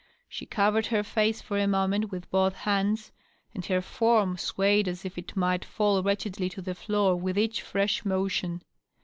She covered her face for a moment with both hands, and her form swayed as if it might fall wretchedly to the floor with each fi*esh motion.